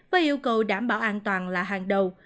và yêu cầu đảm bảo an toàn là hàng đầu